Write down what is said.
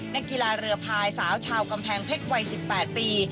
นักกีฬาเรือพายสาวชาวกำแพงเพชรวัย๑๘ปี